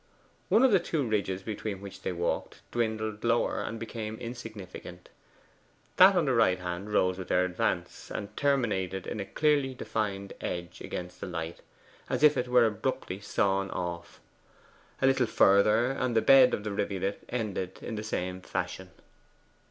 One of the two ridges between which they walked dwindled lower and became insignificant. That on the right hand rose with their advance, and terminated in a clearly defined edge against the light, as if it were abruptly sawn off. A little further, and the bed of the rivulet ended in the same fashion.